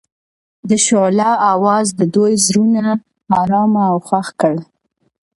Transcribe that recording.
د شعله اواز د دوی زړونه ارامه او خوښ کړل.